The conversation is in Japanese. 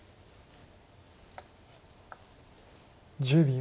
１０秒。